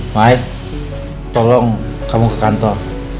mait tolong kamu ke kantor